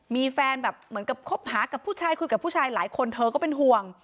มีแฟนแบบเหมือนกับคบหากับผู้ชายคุยกับผู้ชายหลายคนเธอก็เป็นห่วง